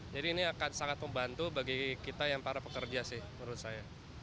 ini akan sangat membantu bagi kita yang para pekerja sih menurut saya